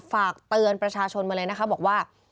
ฝากเตือนประชาชนมาเลยนะคะบอกว่า